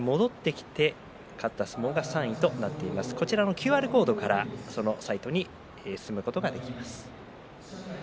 ＱＲコードからサイトに進むことができます。